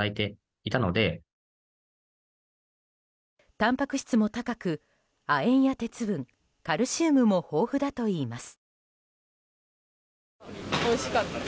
たんぱく質も高く、亜鉛や鉄分カルシウムも豊富だといいます。